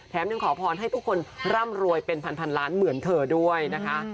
ยังขอพรให้ทุกคนร่ำรวยเป็นพันล้านเหมือนเธอด้วยนะคะ